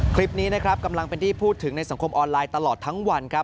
คลิปนี้นะครับกำลังเป็นที่พูดถึงในสังคมออนไลน์ตลอดทั้งวันครับ